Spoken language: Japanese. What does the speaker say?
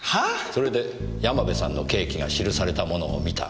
それで山部さんの刑期が記されたものを見た。